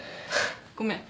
ごめん。